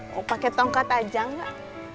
mau pake tongkat aja gak